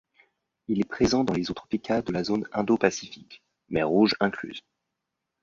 Il est présent dans les eaux tropicales de la zone Indo-Pacifique, Mer Rouge incluse.